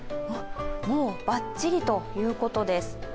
もうバッチリということです。